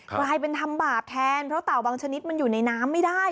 กลายเป็นทำบาปแทนเพราะเต่าบางชนิดมันอยู่ในน้ำไม่ได้